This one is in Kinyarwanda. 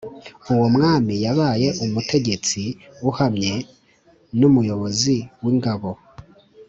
uwo mwami yabaye umutegetsi uhamye n'umuyobozi w'ingabo